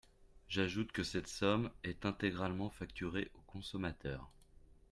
J’ajoute que cette somme est intégralement facturée au consommateur.